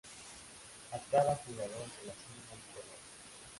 A cada jugador se le asigna un color.